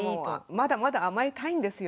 まだまだ甘えたいんですよ。